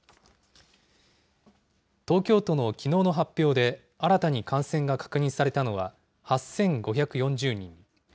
東京都のきのうの発表で、新たに感染が確認されたのは、８５４０人。